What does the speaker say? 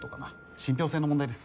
信ぴょう性の問題です。